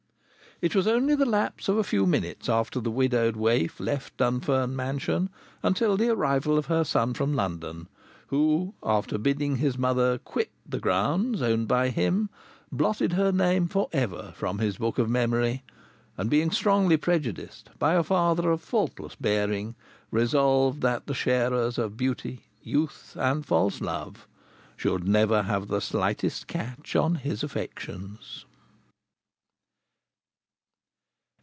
It was only the lapse of a few minutes after the widowed waif left Dunfern Mansion until the arrival of her son from London, who, after bidding his mother quit the grounds owned by him, blotted her name for ever from his book of memory; and being strongly prejudiced by a father of faultless bearing, resolved that the sharers of beauty, youth, and false love should never have the slightest catch on his affections.